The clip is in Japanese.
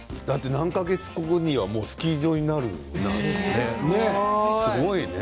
何か月か後にはスキー場になるんだよね。